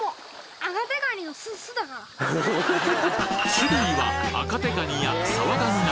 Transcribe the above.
種類はアカテガニやサワガニなど